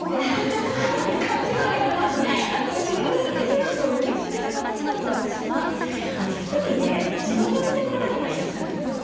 あと自然な形だとより自然な形だと私は１人で自撮りをしてる方とかいらっしゃるんですよね。